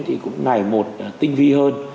thì cũng ngày một tinh vi hơn